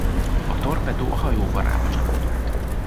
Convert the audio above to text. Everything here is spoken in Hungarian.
A torpedó a hajó farába csapódott.